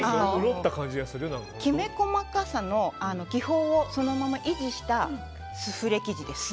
きめ細かさの気泡をそのまま維持したスフレ生地です。